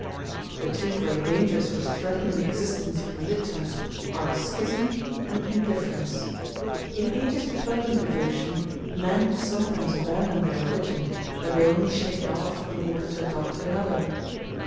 The two great dangers which threaten the existence of religions are schism and indifference. In ages of fervent devotion, men sometimes abandon their religion, but they only shake it off in order to adopt another.